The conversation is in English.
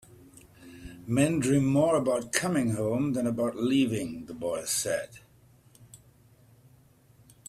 "Men dream more about coming home than about leaving," the boy said.